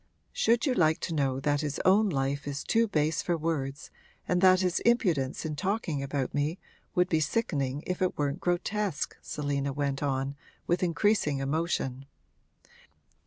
'Should you like to know that his own life is too base for words and that his impudence in talking about me would be sickening if it weren't grotesque?' Selina went on, with increasing emotion.